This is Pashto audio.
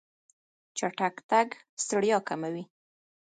چټک تګ ستړیا کموي.